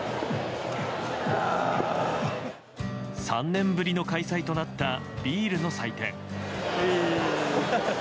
３年ぶりの開催となったビールの祭典。